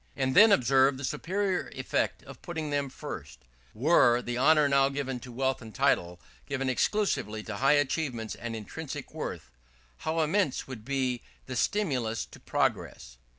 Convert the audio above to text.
And then observe the superior effect of putting them first: "Were the honour now given to wealth and title given exclusively to high achievements and intrinsic worth, how immense would be the stimulus to progress!"